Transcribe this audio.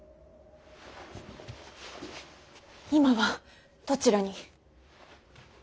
今はどちらに。